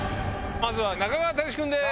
まずは中川大志君です。